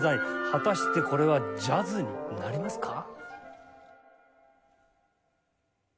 果たしてこれはジャズになりますか？